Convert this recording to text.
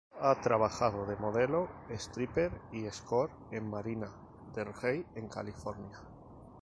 Ha trabajado de modelo, stripper y escort en Marina del Rey en California.